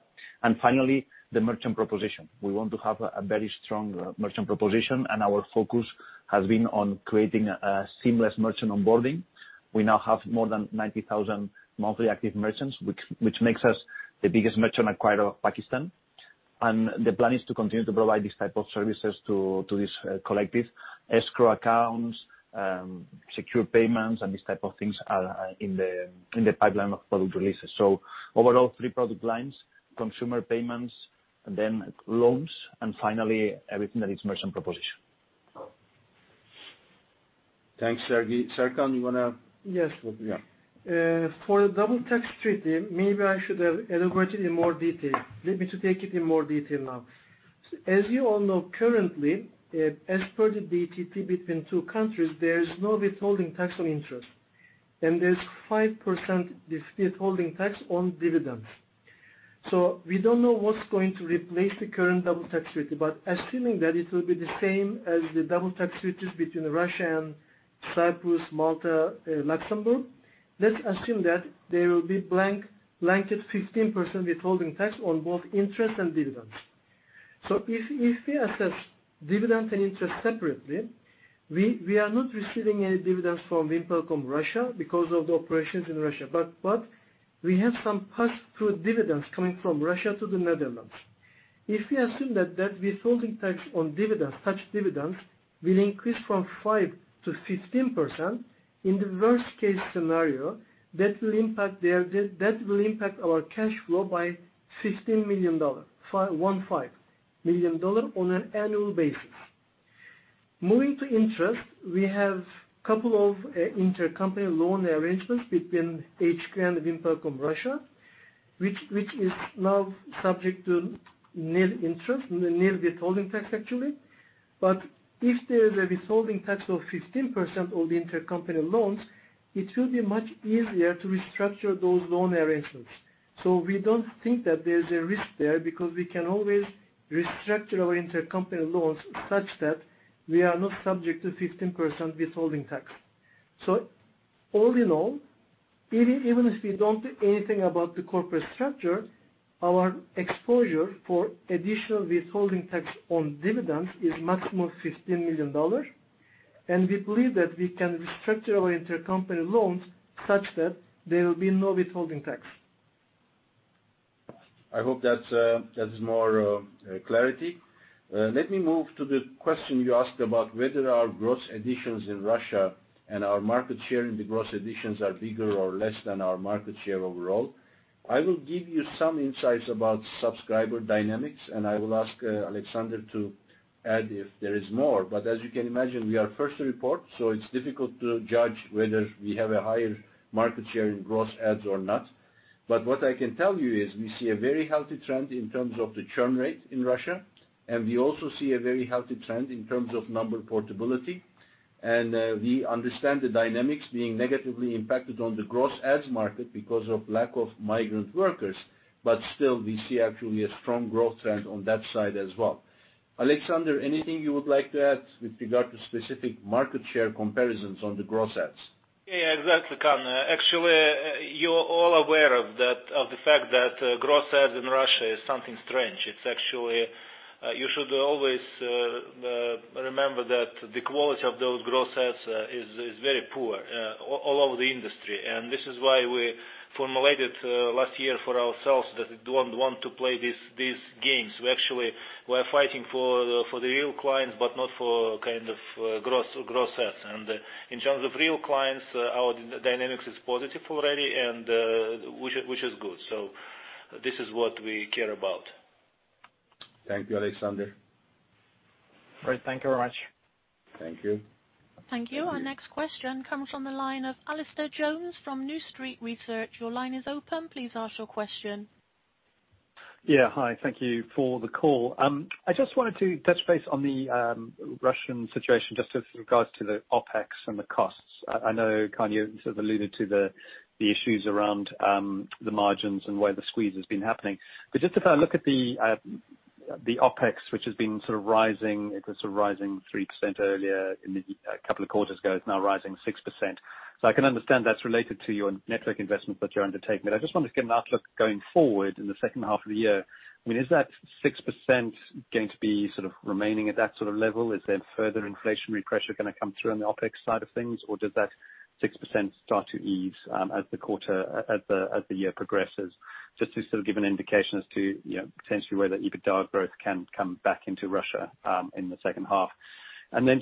Finally, the merchant proposition. We want to have a very strong merchant proposition, and our focus has been on creating a seamless merchant onboarding. We now have more than 90,000 monthly active merchants, which makes us the biggest merchant acquirer of Pakistan. The plan is to continue to provide these type of services to this collective escrow accounts, secure payments, and these type of things are in the pipeline of product releases. Overall, 3 product lines, consumer payments, then loans, and finally, everything that is merchant proposition. Thanks, Sergi. Serkan, you want to. Yes. Yeah. For the double tax treaty, maybe I should have elaborated in more detail. Let me take it in more detail now. As you all know, currently, as per the DTT between two countries, there is no withholding tax on interest, and there's 5% withholding tax on dividends. We don't know what's going to replace the current double tax treaty, but assuming that it will be the same as the double tax treaties between Russia and Cyprus, Malta, Luxembourg, let's assume that there will be blanket 15% withholding tax on both interest and dividends. If we assess dividend and interest separately, we are not receiving any dividends from VimpelCom Russia because of the operations in Russia. We have some pass-through dividends coming from Russia to the Netherlands. If we assume that withholding tax on such dividends will increase from 5%-15%, in the worst case scenario, that will impact our cash flow by $15 million on an annual basis. Moving to interest, we have couple of intercompany loan arrangements between HQ and PJSC VimpelCom, which is now subject to nil interest, nil withholding tax, actually. If there is a withholding tax of 15% on the intercompany loans, it will be much easier to restructure those loan arrangements. We don't think that there is a risk there, because we can always restructure our intercompany loans such that we are not subject to 15% withholding tax. All in all, even if we don't do anything about the corporate structure, our exposure for additional withholding tax on dividends is maximum $15 million. We believe that we can restructure our intercompany loans such that there will be no withholding tax. I hope that is more clarity. Let me move to the question you asked about whether our gross additions in Russia and our market share in the gross additions are bigger or less than our market share overall. I will give you some insights about subscriber dynamics, and I will ask Alexander to add if there is more. As you can imagine, we are first to report, it's difficult to judge whether we have a higher market share in gross adds or not. What I can tell you is we see a very healthy trend in terms of the churn rate in Russia, and we also see a very healthy trend in terms of number portability. We understand the dynamics being negatively impacted on the gross adds market because of lack of migrant workers. Still, we see actually a strong growth trend on that side as well. Alexander, anything you would like to add with regard to specific market share comparisons on the gross adds? Yeah, exactly, Kaan. Actually, you're all aware of the fact that gross adds in Russia is something strange. You should always remember that the quality of those gross adds is very poor all over the industry. This is why we formulated last year for ourselves that we don't want to play these games. We actually are fighting for the real clients, but not for gross adds. In terms of real clients, our dynamics is positive already, which is good. This is what we care about. Thank you, Alexander. Great. Thank you very much. Thank you. Thank you. Our next question comes from the line of Alastair Jones from New Street Research. Your line is open. Please ask your question. Yeah. Hi, thank you for the call. I just wanted to touch base on the Russian situation, just in regards to the OpEx and the costs. I know, Kaan, you sort of alluded to the issues around the margins and where the squeeze has been happening. Just if I look at the OpEx, which has been sort of rising, it was rising 3% earlier in the couple of quarters ago, it's now rising 6%. I can understand that's related to your network investment that you're undertaking. I just wanted to get an outlook going forward in the second half of the year. Is that 6% going to be remaining at that sort of level? Is there further inflationary pressure going to come through on the OpEx side of things? Does that 6% start to ease as the year progresses? Just to sort of give an indication as to potentially where the EBITDA growth can come back into Russia in the second half.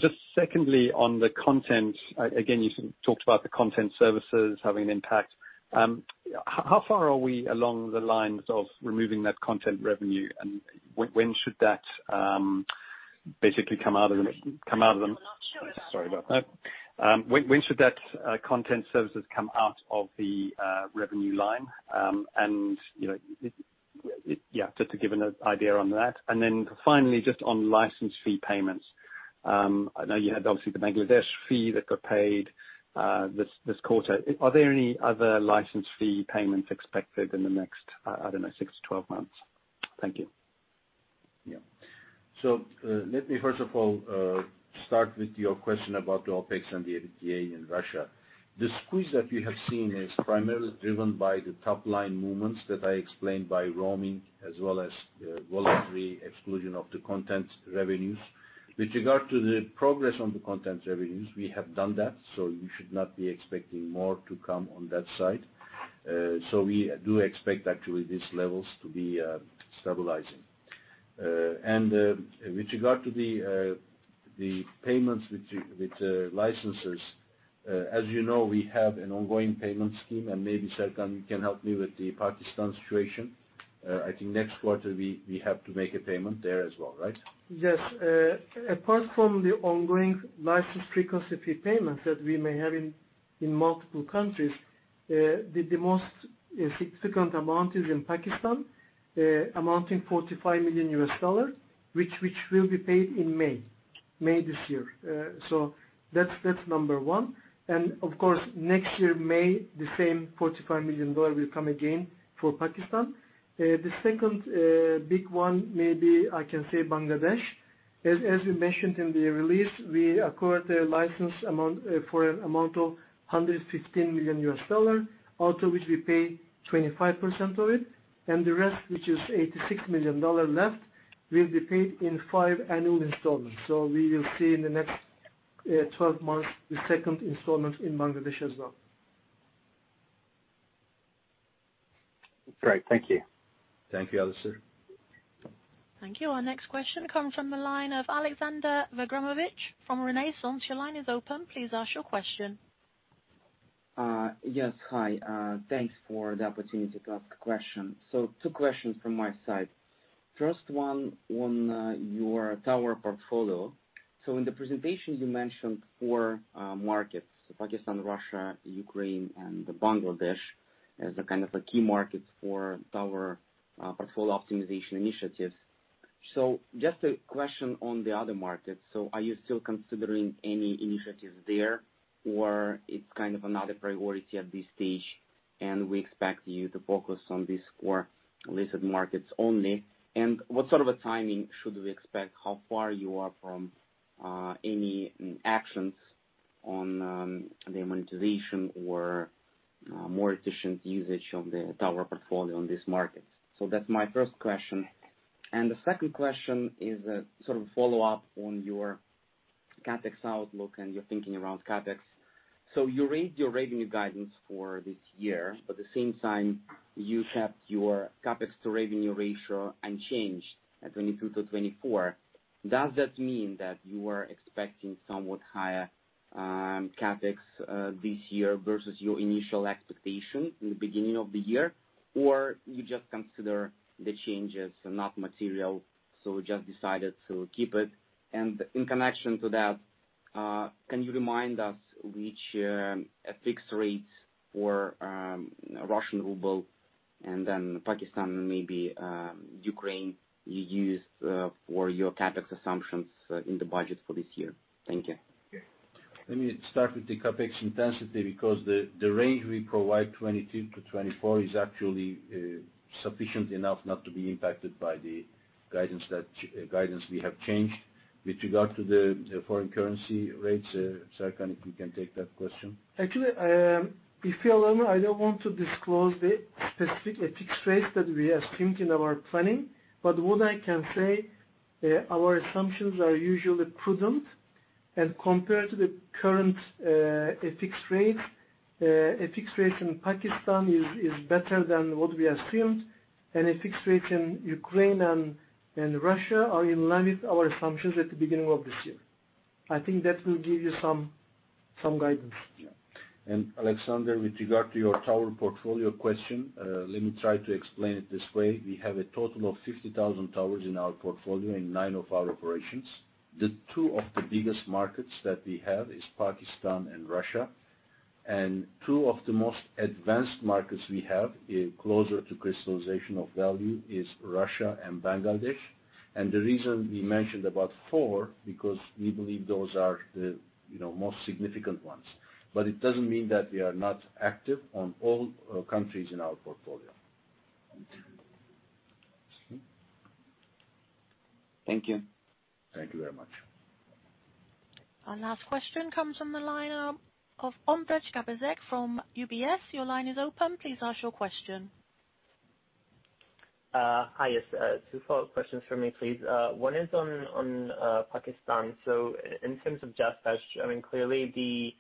Just secondly, on the content, again, you talked about the content services having an impact. How far are we along the lines of removing that content revenue? Sorry about that. When should that content services come out of the revenue line? Just to give an idea on that. Finally, just on license fee payments. I know you had obviously the Bangladesh fee that got paid this quarter. Are there any other license fee payments expected in the next, I don't know, six to 12 months? Thank you. Yeah. Let me first of all start with your question about the OpEx and the EBITDA in Russia. The squeeze that we have seen is primarily driven by the top-line movements that I explained by roaming, as well as voluntary exclusion of the content revenues. With regard to the progress on the content revenues, we have done that, so you should not be expecting more to come on that side. We do expect actually these levels to be stabilizing. With regard to the payments with the licenses, as you know, we have an ongoing payment scheme, and maybe Serkan, you can help me with the Pakistan situation. I think next quarter we have to make a payment there as well, right? Yes. Apart from the ongoing license frequency payments that we may have in multiple countries, the most significant amount is in Pakistan, amounting $45 million, which will be paid in May this year. That's number one. Of course, next year, May, the same $45 million will come again for Pakistan. The second big one maybe I can say Bangladesh. As we mentioned in the release, we acquired a license for an amount of $115 million, out of which we pay 25% of it, and the rest, which is $86 million left, will be paid in five annual installments. We will see in the next 12 months, the second installment in Bangladesh as well. Great. Thank you. Thank you, Alastair. Thank you. Our next question comes from the line of Alexander Venagranovich from Renaissance Capital. Your line is open. Please ask your question. Yes, hi. Thanks for the opportunity to ask a question. Two questions from my side. First one on your tower portfolio. In the presentation, you mentioned four markets, Pakistan, Russia, Ukraine, and Bangladesh, as a kind of a key market for tower portfolio optimization initiatives. Just a question on the other markets. Are you still considering any initiatives there, or it's kind of not a priority at this stage, and we expect you to focus on these four listed markets only? What sort of a timing should we expect? How far you are from any actions on the monetization or more efficient usage of the tower portfolio in these markets? That's my first question. The second question is a sort of follow-up on your CapEx outlook and your thinking around CapEx. You raised your revenue guidance for this year, but at the same time, you kept your CapEx to revenue ratio unchanged at 22%-24%. Does that mean that you are expecting somewhat higher CapEx this year versus your initial expectation in the beginning of the year? Or you just consider the changes are not material, so you just decided to keep it? In connection to that, can you remind us which fixed rates for Russian ruble and then Pakistan, maybe Ukraine, you used for your CapEx assumptions in the budget for this year? Thank you. Let me start with the CapEx intensity, because the range we provide, 22%-24%, is actually sufficient enough not to be impacted by the guidance we have changed. With regard to the foreign currency rates, Serkan, if you can take that question. Actually, if you allow me, I don't want to disclose the specific fixed rates that we assumed in our planning. What I can say, our assumptions are usually prudent, and compared to the current fixed rates, fixed rate in Pakistan is better than what we assumed, and fixed rate in Ukraine and Russia are in line with our assumptions at the beginning of this year. I think that will give you some guidance. Yeah. Alexander, with regard to your tower portfolio question, let me try to explain it this way. We have a total of 50,000 towers in our portfolio in nine of our operations. The two of the biggest markets that we have is Pakistan and Russia. Two of the most advanced markets we have, closer to crystallization of value, is Russia and Bangladesh. The reason we mentioned about four, because we believe those are the most significant ones. It doesn't mean that we are not active on all countries in our portfolio. Thank you. Thank you very much. Our last question comes from the line of Ondrej Cabejsek from UBS. Your line is open. Please ask your question. Hi. Yes, two follow-up questions from me, please. One is on Pakistan. In terms of JazzCash, clearly the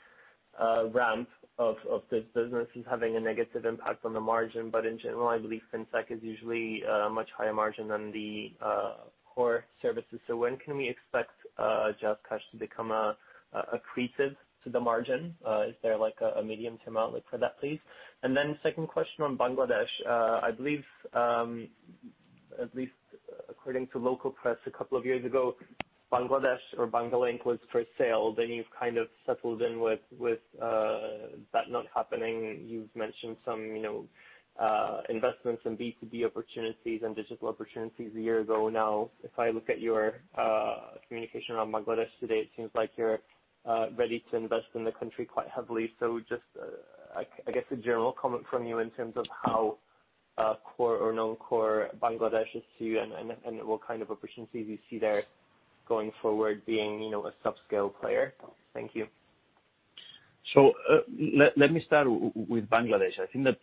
ramp of this business is having a negative impact on the margin. In general, I believe FinTech is usually much higher margin than the core services. When can we expect JazzCash to become accretive to the margin? Is there a medium-term outlook for that, please? Second question on Bangladesh. I believe, at least according to local press a couple of years ago, Banglalink was for sale, then you've kind of settled in with that not happening. You've mentioned some investments in B2B opportunities and digital opportunities a year ago now. If I look at your communication on Bangladesh today, it seems like you're ready to invest in the country quite heavily. Just, I guess a general comment from you in terms of how core or non-core Bangladesh is to you and what kind of opportunities you see there going forward being a subscale player. Thank you. Let me start with Bangladesh. I think that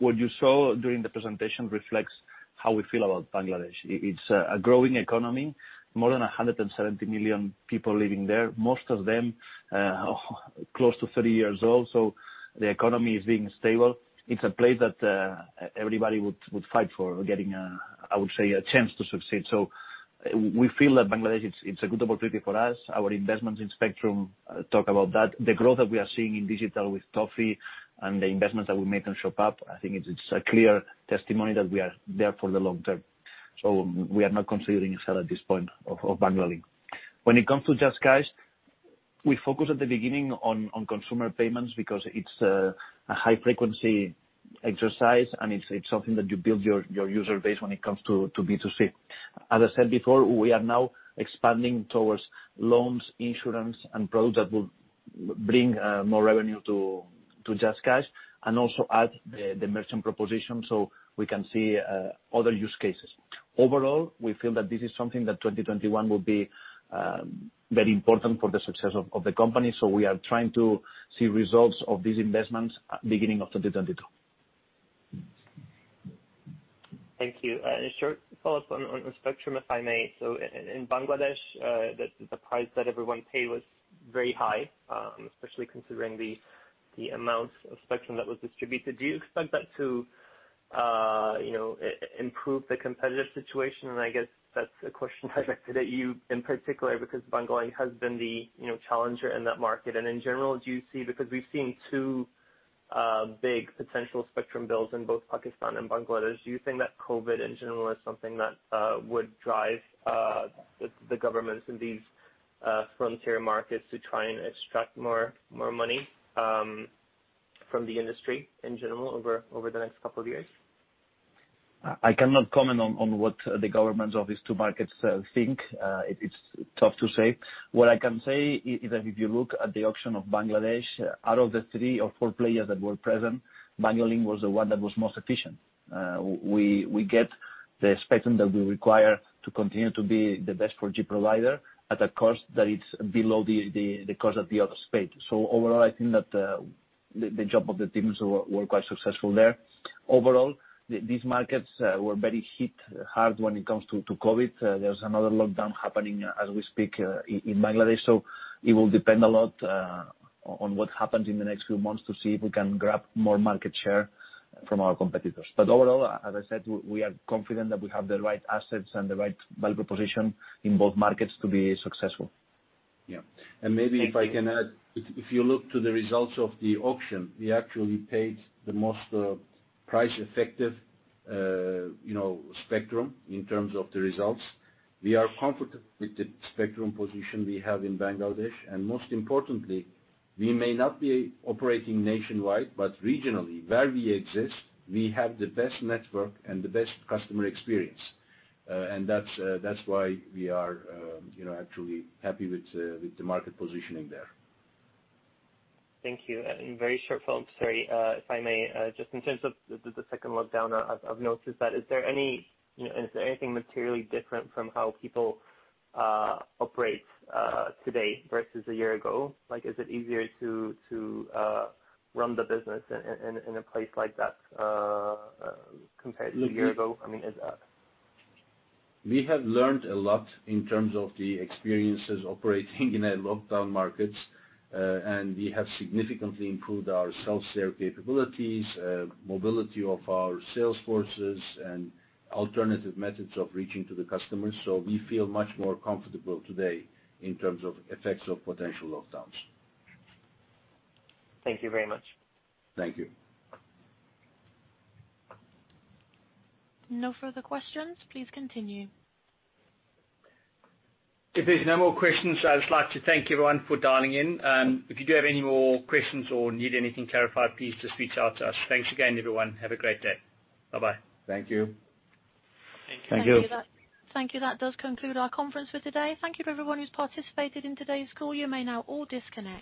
what you saw during the presentation reflects how we feel about Bangladesh. It's a growing economy, more than 170 million people living there, most of them close to 30 years old. The economy is being stable. It's a place that everybody would fight for getting a, I would say, a chance to succeed. We feel that Bangladesh, it's a good opportunity for us. Our investments in spectrum talk about that. The growth that we are seeing in digital with Toffee and the investments that we make on ShopUp, I think it's a clear testimony that we are there for the long term. We are not considering a sell at this point of Banglalink. When it comes to JazzCash, we focus at the beginning on consumer payments because it's a high frequency exercise and it's something that you build your user base when it comes to B2C. As I said before, we are now expanding towards loans, insurance, and products that will bring more revenue to JazzCash and also add the merchant proposition so we can see other use cases. Overall, we feel that this is something that 2021 will be very important for the success of the company. We are trying to see results of these investments at beginning of 2022. Thank you. A short follow-up on spectrum, if I may. In Bangladesh, the price that everyone paid was very high, especially considering the amount of spectrum that was distributed. Do you expect that to improve the competitive situation? I guess that's a question directed at you in particular, because Banglalink has been the challenger in that market. In general, do you see, because we've seen two big potential spectrum builds in both Pakistan and Bangladesh, do you think that COVID in general is something that would drive the governments in these frontier markets to try and extract more money from the industry in general over the next couple of years? I cannot comment on what the governments of these two markets think. It's tough to say. What I can say is that if you look at the auction of Bangladesh, out of the three or four players that were present, Banglalink was the one that was most efficient. We get the spectrum that we require to continue to be the best 4G provider at a cost that is below the cost of the other space. Overall, I think that the job of the teams were quite successful there. Overall, these markets were very hit hard when it comes to COVID. There's another lockdown happening as we speak in Bangladesh. It will depend a lot on what happens in the next few months to see if we can grab more market share from our competitors. Overall, as I said, we are confident that we have the right assets and the right value proposition in both markets to be successful. Yeah. Maybe if I can add, if you look to the results of the auction, we actually paid the most price effective spectrum in terms of the results. We are comfortable with the spectrum position we have in Bangladesh, and most importantly, we may not be operating nationwide, but regionally. Where we exist, we have the best network and the best customer experience. That's why we are actually happy with the market positioning there. Thank you. Very short follow-up, sorry, if I may, just in terms of the second lockdown, I've noticed that is there anything materially different from how people operate today versus a year ago? Is it easier to run the business in a place like that compared to a year ago? We have learned a lot in terms of the experiences operating in a lockdown markets and we have significantly improved our self-serve capabilities, mobility of our sales forces, and alternative methods of reaching to the customers. We feel much more comfortable today in terms of effects of potential lockdowns. Thank you very much. Thank you. No further questions. Please continue. If there's no more questions, I'd just like to thank everyone for dialing in. If you do have any more questions or need anything clarified, please just reach out to us. Thanks again, everyone. Have a great day. Bye-bye. Thank you. Thank you. Thank you. That does conclude our conference for today. Thank you for everyone who has participated in today's call. You may now all disconnect.